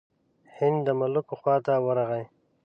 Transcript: هند د ملوکو خواته ورغی.